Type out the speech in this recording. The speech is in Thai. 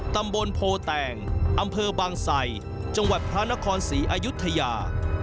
ตำบลโพแตงอำเภอบางไสจังหวัดพระนครศรีอายุทยา